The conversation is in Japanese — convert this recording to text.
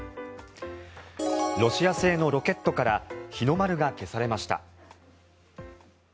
ロシア製のロケットから日の丸が消されました。